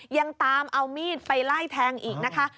ยังตามเอามีดไปไล่แทงอีกนะคะ